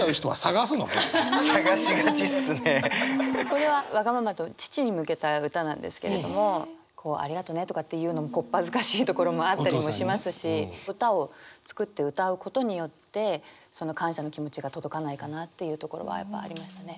これは「我が儘」と父に向けた歌なんですけれどもこう「ありがとね」とかって言うのもこっぱずかしいところもあったりもしますし歌を作って歌うことによってその感謝の気持ちが届かないかなっていうところはやっぱありましたね。